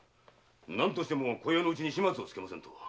何としても今夜のうちに始末をつけませんと。